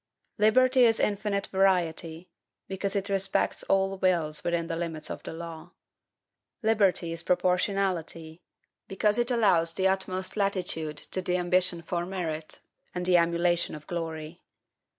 Liberty is infinite variety, because it respects all wills within the limits of the law. Liberty is proportionality, because it allows the utmost latitude to the ambition for merit, and the emulation of glory.